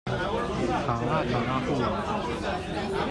卡那卡那富語